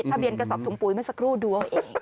ทะเบียนกระสอบถุงปุ๋ยมันสักรู่ดวงเอง